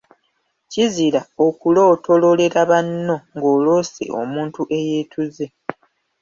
Kizira okulootololera banno ng'oloose omuntu eyeetuze.